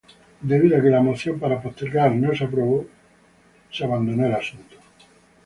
Debido a que la moción para postergar no fue aprobada, el asunto fue abandonado.